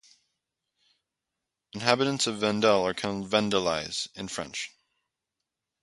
Inhabitants of Vendel are called "Vendelais" in French.